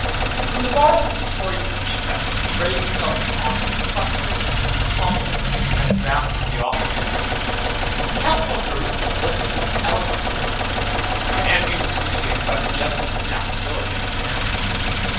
From the bar of the Praetorian præfects, he raised himself to the honors of quaestor, of consul, and of master of the offices: the council of Justinian listened to his eloquence and wisdom; and envy was mitigated by the gentleness and affability of his manners.